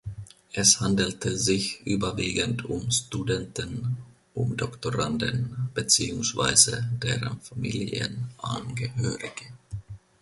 Es handelte sich überwiegend um Studenten und Doktoranden beziehungsweise deren Familienangehörige.